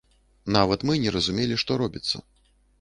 Нават мы не разумелі, што робіцца.